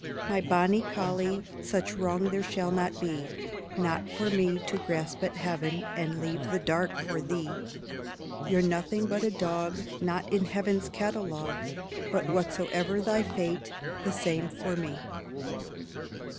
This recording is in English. My bonnie Collie, such wrong there shall not be, Not for me to grasp at Heav'n and leave the Dark for thee, You're nothing but a dog, Not in Heaven's Catalogue But whatsoe'er thy fate, the same for me.